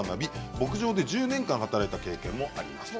牧場で１０年間働いた経験もあります。